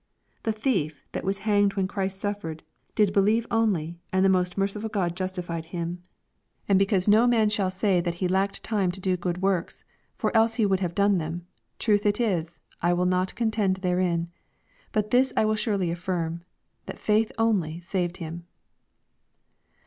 The thief, that was hanged when Christ suffered, did be lieve only ani the most merciful God Justified him. And be 478 EXPOSITORY THOUGHTS. because no man shall say, that he lacked time tD do good works, for else he would have done them, truth it is, I will not contend therein ; but this I will surely afifirm, that faith only saved him."